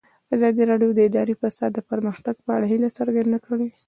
ازادي راډیو د اداري فساد د پرمختګ په اړه هیله څرګنده کړې.